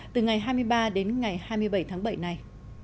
từ ngày hai mươi ba đến ngày hai mươi bảy tháng bảy này